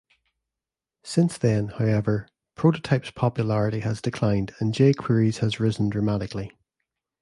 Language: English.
Since then, however, Prototype's popularity has declined, and jQuery's has risen dramatically.